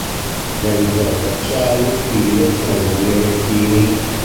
Realizzò bracciali, spille, ciondoli e orecchini.